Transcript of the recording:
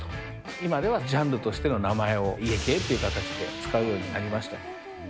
今ではジャンルとしての名前を家系という形で使うようになりました。